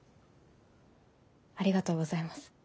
ありがとうございます。